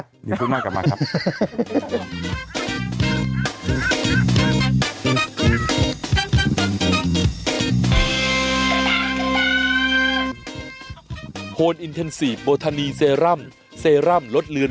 เดี๋ยวพูดมากกลับมาครับ